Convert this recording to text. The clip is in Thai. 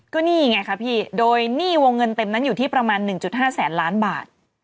ก็นี่ไงคะพี่โดยหนี้วงเงินเต็มนั้นอยู่ที่ประมาณ๑๕แสนล้านบาท